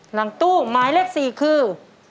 หลังตู้ไหมเลขสี่คือ